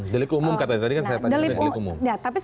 dari keumum katanya tadi kan saya tanya